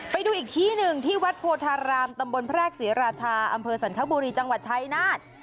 ไปดูอีกที่หนึ่งที่วัดโพธารามตำบลแพรกศรีราชาอำเภอสันคบุรีจังหวัดชายนาฏ